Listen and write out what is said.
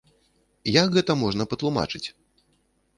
Як гэта можна патлумачыць?